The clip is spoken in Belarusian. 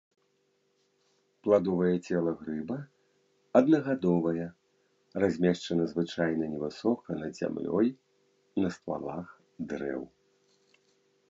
Пладовае цела грыба аднагадовае, размешчана звычайна невысока над зямлёй на ствалах дрэў.